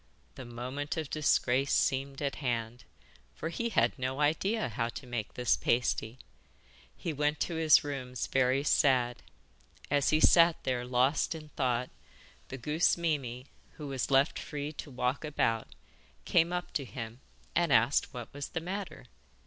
The moment of disgrace seemed at hand, for he had no idea how to make this pasty. He went to his rooms very sad. As he sat there lost in thought the goose Mimi, who was left free to walk about, came up to him and asked what was the matter?